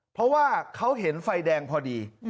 เพราะว่าเขาเห็นไฟแดงพอดี